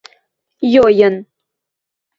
Йойын.